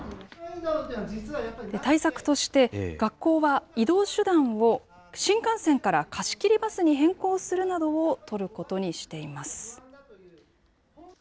対策として、学校は移動手段を、新幹線から貸し切りバスに変更するなどを対策を取ることにしています。